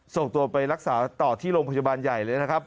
ส่งตัวไปรักษาต่อที่โรงพยาบาลใหญ่เลยนะครับ